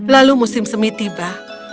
lalu musim semi tiba